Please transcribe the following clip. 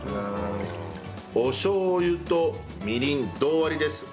おしょう油とみりん同割です。